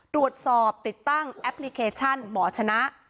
ตรวจสอบติดตั้งแอปพลิเคชันหมอชนะ